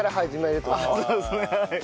そうですねはい。